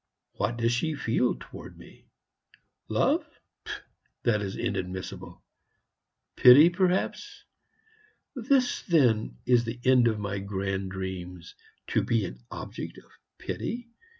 What does she feel towards me? Love? That is inadmissible. Pity, perhaps? This then, is the end of my grand dreams to be an object of pity?